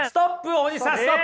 大西さんストップ！